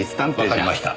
わかりました。